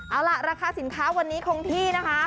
เอาล่ะราคาสินค้าวันนี้คงที่นะคะ